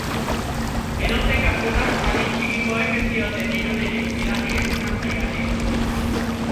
Edozein kasutan, adin txikikoek ez zioten irudirik bidali entrenatzaileari.